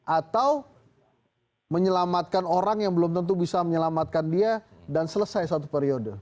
atau menyelamatkan orang yang belum tentu bisa menyelamatkan dia dan selesai satu periode